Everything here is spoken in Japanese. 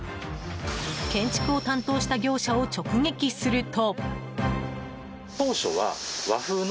建築を担当した業者を直撃すると。